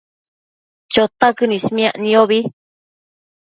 Chotaquën ismiac niombi